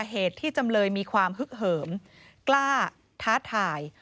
เหตุที่จำเลยมีความฮึกเหิมกล้าท้าทาย